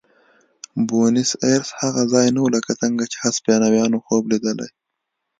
بونیس ایرس هغه ځای نه و لکه څنګه چې هسپانویانو خوب لیدلی.